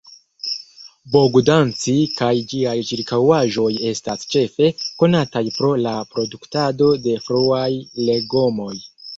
Bogdanci kaj ĝiaj ĉirkaŭaĵoj estas ĉefe konataj pro la produktado de fruaj legomoj.